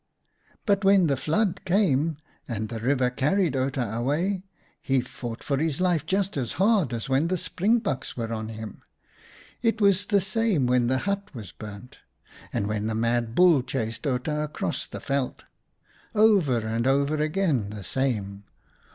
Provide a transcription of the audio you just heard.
But when the flood came and the river carried Outa away, he fought for his life just as hard as when the springbucks were on him. It was the same when the hut was burnt, and when THE OSTRICH HUNT 147 the mad bull chased Outa across the veld. Over and over again the same.